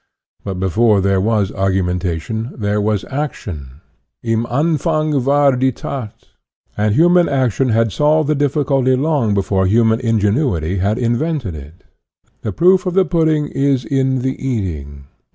But before there was argumentation, there was action. Im Anfang war die That. And human action had solved the difficulty long before human ingenuity invented it. The proof of the pudding is in the eating.